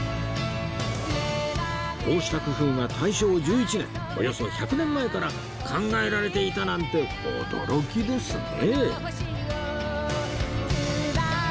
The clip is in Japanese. こうした工夫が大正１１年およそ１００年前から考えられていたなんて驚きですね